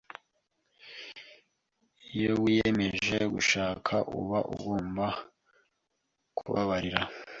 iyo wiyemeje gushaka uba ugomba kubabarira